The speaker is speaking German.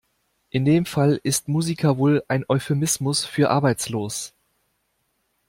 In dem Fall ist Musiker wohl ein Euphemismus für arbeitslos.